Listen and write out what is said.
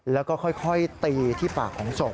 แล้วก็ค่อยตีที่ปากของศพ